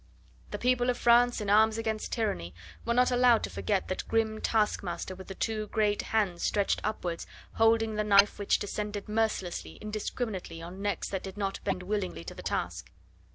The people of France in arms against tyranny were not allowed to forget that grim taskmaster with the two great hands stretched upwards, holding the knife which descended mercilessly, indiscriminately on necks that did not bend willingly to the task.